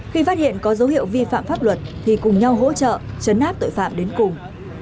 khi phát hiện có dấu hiệu vi phạm pháp luật thì cùng nhau hỗ trợ chấn áp tội phạm đến cùng